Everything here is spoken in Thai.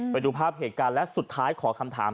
ไปดูภาพเหตุการณ์และสุดท้ายขอคำถาม